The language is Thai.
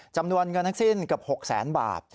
จำนวนเงินทั้งสิ้นกับ๖๐๐๐๐๐บาท